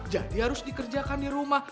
jadi harus dikerjakan di rumah